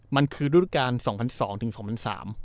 มันคือรูปการณ์๒๐๐๒๒๐๐๓